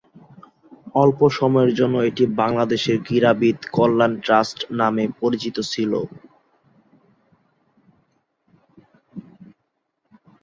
অল্প সময়ের জন্য এটি বাংলাদেশ ক্রীড়াবিদ কল্যাণ ট্রাস্ট নামে পরিচিত ছিল।